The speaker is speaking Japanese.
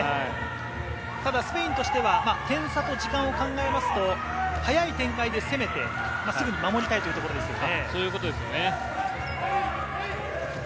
スペインとしては、点差と時間を考えますと早い展開で攻めて、すぐに守りたいというところですね。